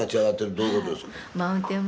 どういうことですか？